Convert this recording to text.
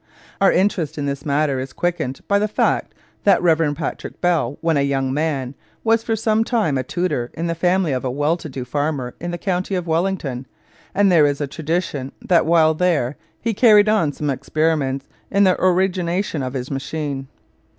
Our interest in this matter is quickened by the fact that the Rev. Patrick Bell, when a young man, was for some time a tutor in the family of a well to do farmer in the county of Wellington, and there is a tradition that while there he carried on some experiments in the origination of his machine.